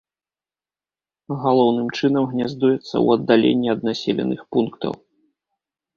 Галоўным чынам гняздуецца ў аддаленні ад населеных пунктаў.